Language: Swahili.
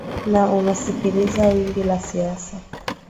na unasikiliza wimbi la siasa